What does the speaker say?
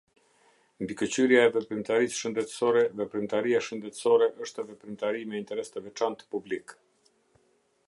Mbikëqyrja e veprimtarisë shëndetësore Veprimtaria shëndetësore është veprimtari me interes të veçantë publik.